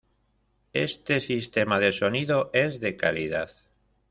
Este sistema de sonido es de calidad.